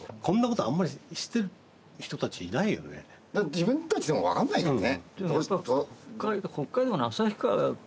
自分たちでも分かんないからね。